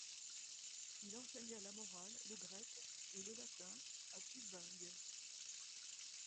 Il enseigna la morale, le grec et le latin à Tubingue.